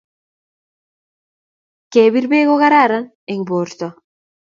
Ke bir beek ko karan eng borto